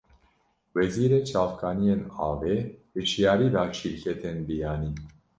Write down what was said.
Wezîrê çavkaniyên avê, hişyarî da şîrketên biyanî